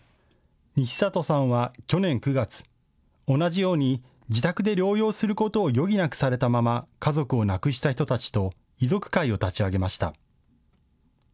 西里さんは去年９月、同じように自宅で療養することを余儀なくされたまま家族を亡くした人たちと遺族会を立ち上げました。